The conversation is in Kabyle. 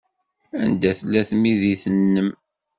Anda tella tmidit-nnem?